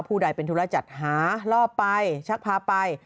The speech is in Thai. ใดเป็นธุระจัดหาล่อไปชักพาไป